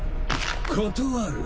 断る。